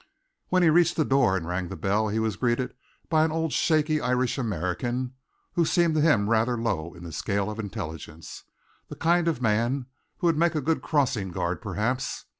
When he reached the door and rang the bell he was greeted by an old shaky Irish American who seemed to him rather low in the scale of intelligence the kind of a man who would make a good crossing guard, perhaps.